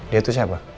dia itu siapa